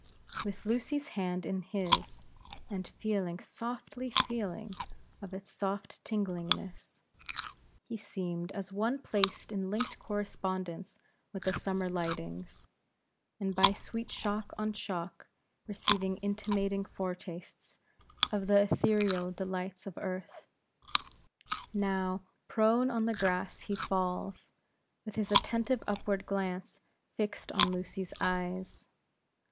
With Lucy's hand in his, and feeling, softly feeling of its soft tinglingness; he seemed as one placed in linked correspondence with the summer lightnings; and by sweet shock on shock, receiving intimating fore tastes of the etherealest delights of earth. Now, prone on the grass he falls, with his attentive upward glance fixed on Lucy's eyes.